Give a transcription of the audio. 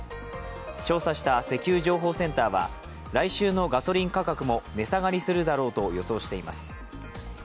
調査した石油情報センターは来週のガソリン価格も値下がりするだろうと予想しています。